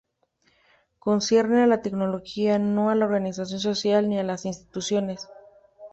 Concierne a la tecnología, no a la organización social ni a las instituciones.